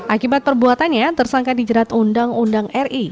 akibat perbuatannya tersangka dijerat undang undang ri